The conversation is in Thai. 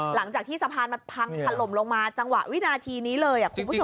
หลังจากที่สะพานมันพังถล่มลงมาจังหวะวินาทีนี้เลยคุณผู้ชม